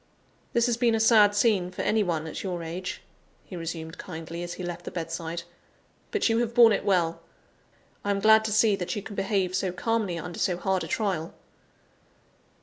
"This has been a sad scene for any one at your age," he resumed kindly, as he left the bedside, "but you have borne it well. I am glad to see that you can behave so calmly under so hard a trial."